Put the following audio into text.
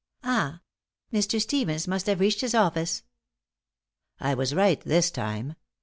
Ah Mr. Stevens must have reached his office." I was right this time.